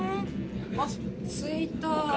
あっ着いた。